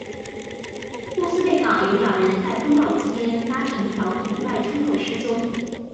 布斯贝港有两人在风暴期间搭乘小艇外出后失踪。